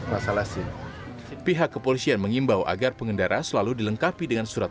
rasa lasin pihak kepolisian mengimbau agar pengendara selalu dilengkapi dengan surat